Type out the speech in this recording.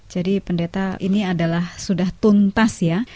jadi pendeta ini adalah sudah tuntas ya